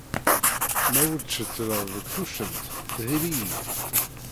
Ma ur d-cetleɣ deg tuccent, diri-yi.